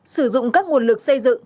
sử dụng các nguồn lực xây dựng